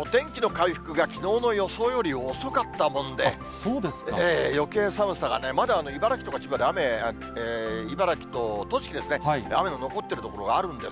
お天気の回復がきのうの予想より遅かったもんで、よけい寒さがね、まだ茨城とか千葉で雨、茨城と栃木ですね、雨の残ってる所があるんです。